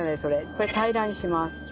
これ平らにします。